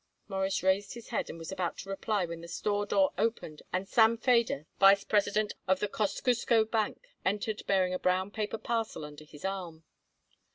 Morris raised his head and was about to reply when the store door opened and Sam Feder, vice president of the Kosciusko Bank, entered bearing a brown paper parcel under his arm.